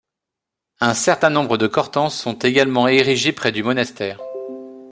Un certain nombre de Chortens sont également érigés près du monastère.